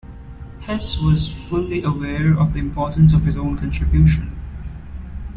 Hess was fully aware of the importance of his own contribution.